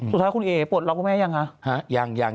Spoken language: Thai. สุดท้ายคุณเอ๋ปวดรักคุณแม่ยังหรอ